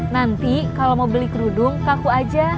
nanti kalau mau beli kerudung kaku aja